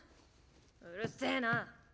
うるせぇな。